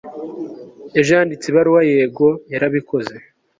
ejo yanditse ibaruwa? yego, yarabikoze